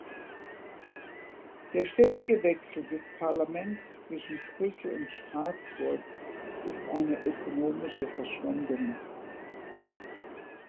Der ständige Wechsel des Parlaments zwischen Brüssel und Straßburg ist eine ökonomische Verschwendung.